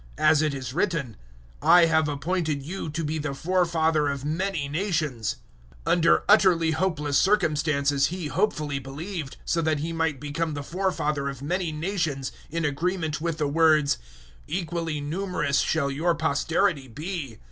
As it is written, "I have appointed you to be the forefather of many nations." 004:018 Under utterly hopeless circumstances he hopefully believed, so that he might become the forefather of many nations, in agreement with the words "Equally numerous shall your posterity be."